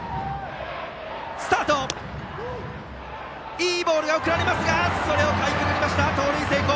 いいボールが送られますがそれをかいくぐって盗塁成功！